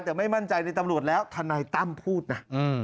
แต่ไม่มั่นใจในตำรวจแล้วทนายตั้มพูดนะ